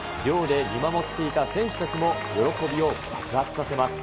寮で見守っていた選手たちも喜びを爆発させます。